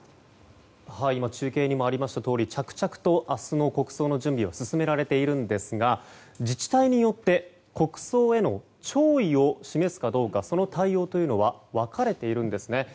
中継にもありましたとおり着々と明日の国葬の準備は進められているんですが自治体によって国葬への弔意を示すかどうかその対応というのは分かれているんですね。